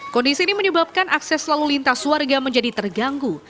kondisi ini menyebabkan akses lalu lintas warga menjadi terganggu